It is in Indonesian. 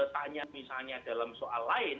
tanya misalnya dalam soal lain